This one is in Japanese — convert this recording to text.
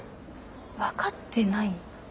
分かってない？